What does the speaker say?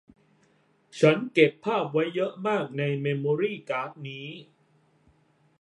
ฉันเก็บภาพไว้เยอะมากในเมมโมรี่การ์ดนี้